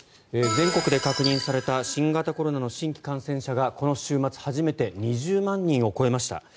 全国で確認された新型コロナの新規感染者がこの週末初めて２０万人を超えました。